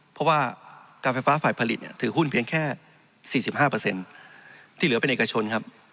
เพราะว่าการไฟฟ้าฝ่ายผลิตเนี่ยถือหุ้นเพียงแค่๔๕ที่เหลือเป็นเอกชนครับ